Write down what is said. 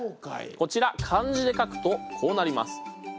こちら漢字で書くとこうなります。